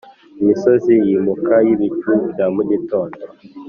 imisozi yimuka yibicu bya mugitondo